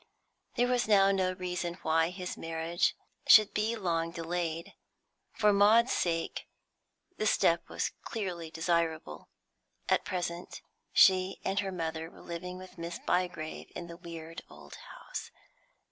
There was now no reason why his marriage should be long delayed. For Maud's sake the step was clearly desirable. At present she and her mother were living with Miss Bygrave in the weird old house.